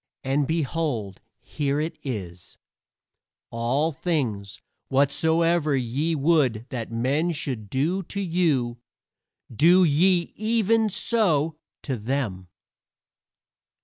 And behold, here is it: "All things whatsoever ye would that men should do to you, do ye even so to them."